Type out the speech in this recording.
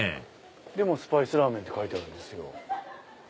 でもスパイスラーメンって書いてあるんですよ。